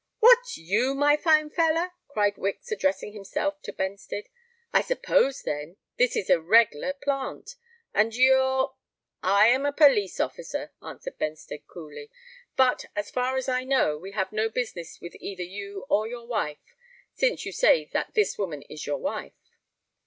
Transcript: "What! you, my fine feller?" cried Wicks, addressing himself to Benstead. "I suppose, then, this is all a reg'lar plant;—and you're——" "I am a police officer," answered Benstead coolly. "But, as far as I know, we have no business with either you or your wife—since you say that this woman is your wife."